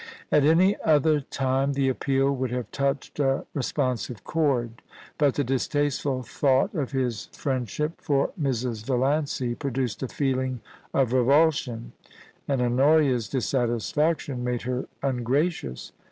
At any other time the appeal would have touched a re sponsive chord, but the distasteful thought of his friendship 136 POLICY AND PASSION, for Mrs. Valiancy produced a feeling of revulsion, and Honoria's dissatisfaction made her ungracious.